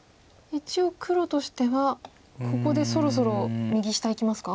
一応黒としてはここでそろそろ右下いきますか？